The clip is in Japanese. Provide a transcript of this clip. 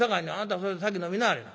それで先飲みなはれ」。